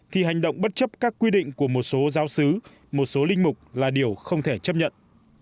thì hành động bất chấp các quy định của một số giáo sứ một số linh mục là điều không thể chấp nhận